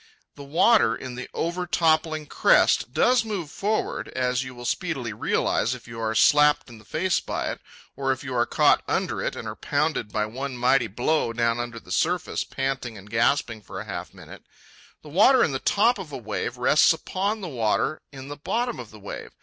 The water in the overtoppling crest does move forward, as you will speedily realize if you are slapped in the face by it, or if you are caught under it and are pounded by one mighty blow down under the surface panting and gasping for half a minute. The water in the top of a wave rests upon the water in the bottom of the wave.